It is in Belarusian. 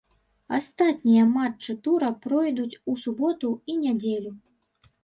Астатнія матчы тура пройдуць у суботу і нядзелю.